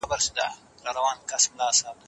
فقه او تفسير يې د ځوانۍ په پيل کې زده کړل.